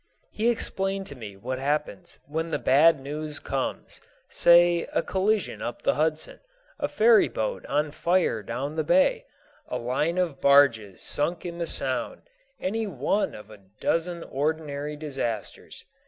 He explained to me what happens when the bad news comes, say a collision up the Hudson, a ferry boat on fire down the bay, a line of barges sunk in the Sound, any one of a dozen ordinary disasters.